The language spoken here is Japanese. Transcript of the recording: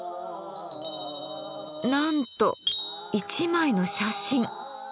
なんと１枚の写真。